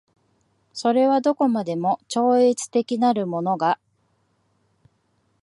それはどこまでも超越的なるものが